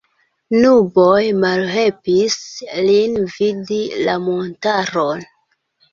Nuboj malhelpis lin vidi la montaron.